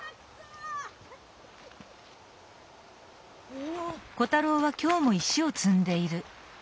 お！